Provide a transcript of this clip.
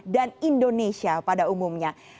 dan indonesia pada umumnya